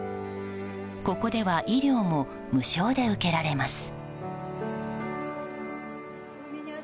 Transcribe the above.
ここでは医療も無償で受けられます。